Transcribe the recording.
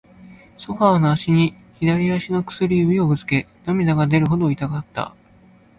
ソファーの脚に、左足の薬指をぶつけ、涙が出るほど痛かった。